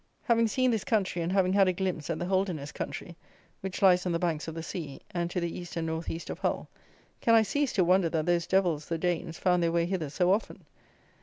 Having seen this country, and having had a glimpse at the Holderness country, which lies on the banks of the sea, and to the east and north east of Hull, can I cease to wonder that those devils, the Danes, found their way hither so often.